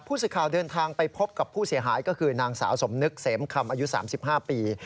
ผู้สื่อข่าวเดินทางไปพบกับผู้เสียหายก็คือนางสาวสมนึกเสมคำอายุ๓๕ปี